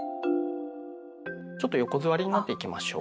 ちょっと横座りになっていきましょうか。